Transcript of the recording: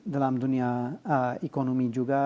dalam dunia ekonomi juga